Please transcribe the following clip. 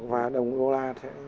và đồng đô la sẽ